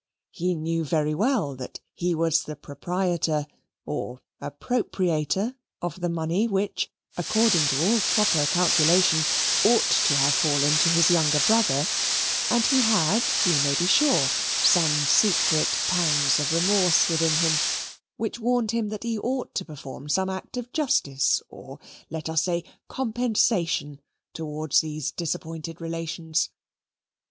He knew very well that he was the proprietor or appropriator of the money, which, according to all proper calculation, ought to have fallen to his younger brother, and he had, we may be sure, some secret pangs of remorse within him, which warned him that he ought to perform some act of justice, or, let us say, compensation, towards these disappointed relations.